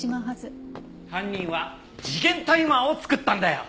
犯人は時限タイマーを作ったんだよ！